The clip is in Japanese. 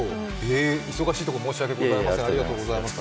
忙しいとこ申し訳ございません。